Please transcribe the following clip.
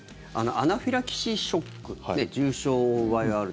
アナフィラキシーショック重症を負う場合がある。